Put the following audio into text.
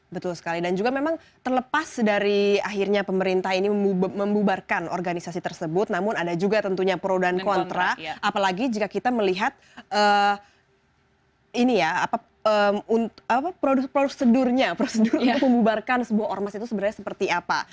betul sekali dan juga memang terlepas dari akhirnya pemerintah ini membubarkan organisasi tersebut namun ada juga tentunya pro dan kontra apalagi jika kita melihat prosedurnya prosedurnya membubarkan sebuah ormas itu sebenarnya seperti apa